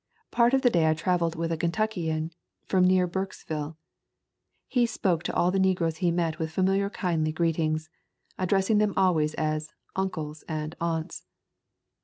Part of the day I traveled with a Kentuckian from near Burkesville. He spoke to all the negroes he met with familiar kindly greetings, addressing them always as "Uncles" and "Aunts."